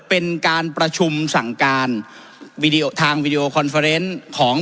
เป็นการประชุมสั่งการวีดีโอทางวีดีโอคอนเฟอร์เนส์ของ